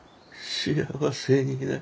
幸せになれ。